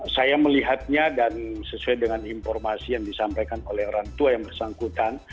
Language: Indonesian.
saya melihatnya dan sesuai dengan informasi yang disampaikan oleh orang tua yang bersangkutan